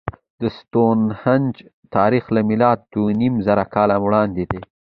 د ستونهنج تاریخ له میلاده دوهنیمزره کاله وړاندې دی.